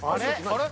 あれ？